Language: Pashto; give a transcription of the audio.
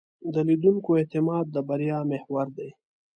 د لیدونکو اعتماد د بریا محور دی.